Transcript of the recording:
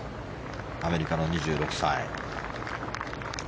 アメリカの２６歳。